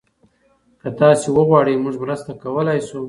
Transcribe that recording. که تاسي وغواړئ، موږ مرسته کولی شو.